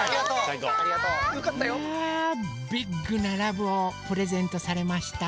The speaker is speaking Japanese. ビッグなラブをプレゼントされました。